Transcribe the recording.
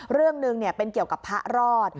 เรื่องหนึ่งเป็นเกี่ยวกับพระรอด